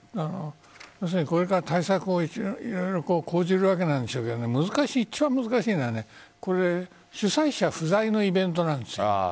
これから対策を色々講じるわけなんでしょうけど一番難しいのは主催者不在のイベントなんです。